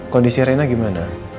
kondisi rena gimana